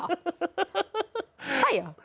ใครหรอ